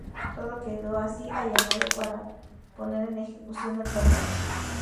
Todo quedó así allanado para poner en ejecución el contrato.